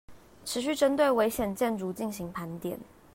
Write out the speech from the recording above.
持續針對危險建築進行盤點